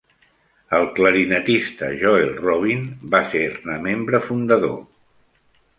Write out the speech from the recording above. El clarinetista Joel Rubin va ser-ne membre fundador.